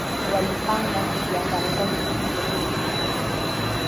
walipanga kuviangamiza vikundi vyote vya kimataifa